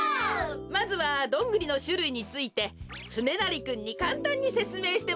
まずはどんぐりのしゅるいについてつねなりくんにかんたんにせつめいしてもらいます。